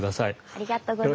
ありがとうございます。